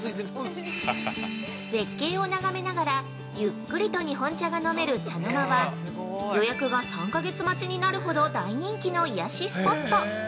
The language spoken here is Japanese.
◆絶景を眺めながらゆっくりと日本茶が飲める「茶の間」は予約が３か月待ちになるほど大人気の癒しスポット。